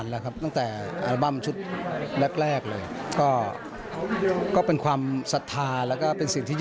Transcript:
แล้วก็ไม่เคยประสบปัญหาเรื่องของการแสดงคอนเสิร์ตเลย